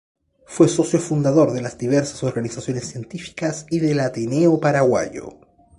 Fue socio fundador de diversas organizaciones científicas y del Ateneo Paraguayo.